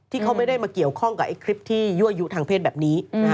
ที่เขาไม่ได้มาเกี่ยวข้องกับไอ้คลิปที่ยั่วยุทางเพศแบบนี้